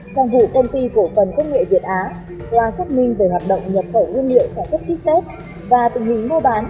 trong vụ công ty cổ phần công nghệ việt á qua xác minh về hoạt động nhập khẩu nguyên liệu sản xuất sitset và tình hình mua bán